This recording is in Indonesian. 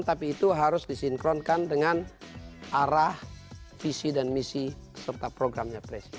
tapi itu harus disinkronkan dengan arah visi dan misi serta programnya presiden